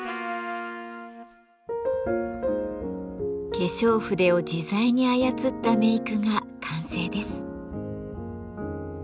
化粧筆を自在に操ったメークが完成です。